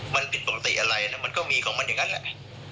มันผิดปกติอะไรนะมันก็มีของมันอย่างนั้นแหละ